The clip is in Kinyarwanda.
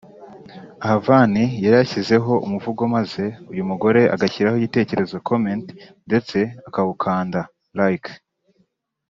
aho Vann yari yashyizeho umuvugo maze uyu mugore agashyiraho igitekerezo (comment) ndetse akawukunda (like)